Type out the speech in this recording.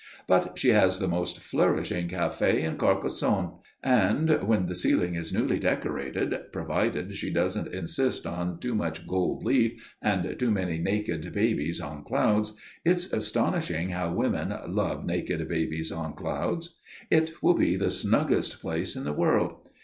But she has the most flourishing café in Carcassonne; and, when the ceiling is newly decorated, provided she doesn't insist on too much gold leaf and too many naked babies on clouds it's astonishing how women love naked babies on clouds it will be the snuggest place in the world.